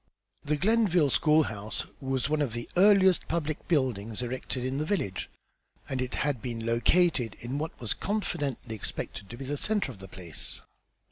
The Glenville school house was one of the earliest public buildings erected in the village, and it had been "located" in what was confidently expected to be the centre of the place.